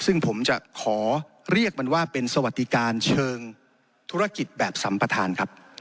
ซึ่งผมจะขอเรียกมันว่าเป็นสวัสดิการเชิงธุรกิจแบบสัมประธานครับ